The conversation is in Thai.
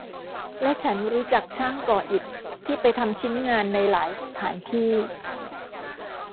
และฉันรู้จักช่างก่ออิฐที่ไปทำชิ้นงานในหลายสถานที่